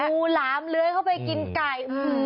หลามเลื้อยเข้าไปกินไก่